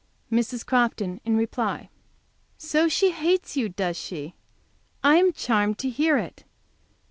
Mrs. Crofton, in reply: .... So she hates you, does she? I am charmed to hear it.